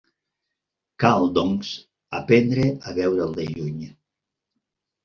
Cal, doncs, aprendre a veure'l de lluny.